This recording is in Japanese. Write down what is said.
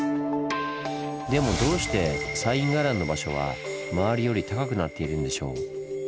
でもどうして西院伽藍の場所は周りより高くなっているんでしょう？